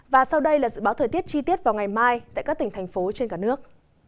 và sau đây là dự báo thời tiết chi tiết vào ngày mai tại các tỉnh thành phố trên cả nước